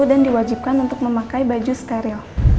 dan diwajibkan untuk memakai baju stereo